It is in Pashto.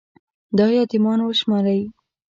دا يـتـيـمـان وشمارئ